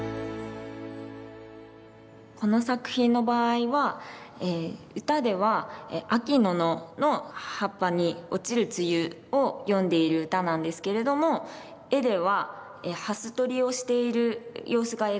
この作品の場合は歌では秋の野の葉っぱに落ちる露を詠んでいる歌なんですけれども絵では蓮取りをしている様子が描かれています。